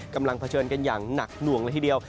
กำลังเผชิญกันอย่างหนักหน่วงละทีเดียว